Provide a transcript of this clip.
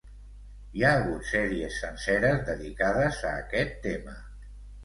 Hi ha hagut sèries senceres dedicades a aquest tema.